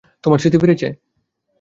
তোমার স্মৃতি ফিরেছে?